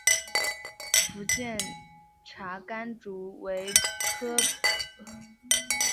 福建茶竿竹为禾本科茶秆竹属下的一个变种。